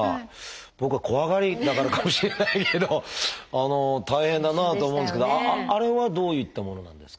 僕が怖がりだからかもしれないけど大変だなあと思うんですけどあれはどういったものなんですか？